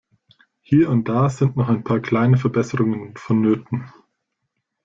Hier und da sind noch ein paar kleine Verbesserungen vonnöten.